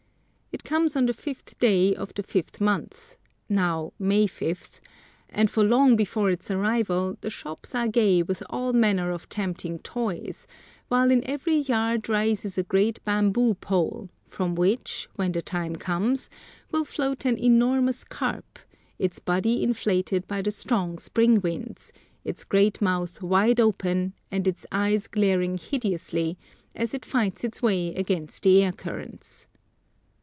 It comes on the fifth day of the fifth month (now May fifth), and for long before its arrival the shops are gay with all manner of tempting toys, while in every yard rises a great bamboo pole, from which, when the time comes, will float an enormous carp, its body inflated by the strong spring wind, its great mouth wide open, and its eyes glaring hideously, as it fights its way against the air currents.